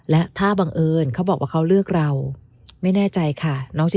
และถ้าบังเอิญเขาบอกว่าเขาเลือกเราไม่แน่ใจค่ะ